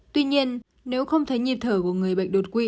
tuy nhiên nếu không thấy nhịp thở của người bệnh đột quỵ